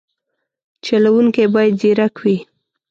چلوونکی باید ځیرک وي.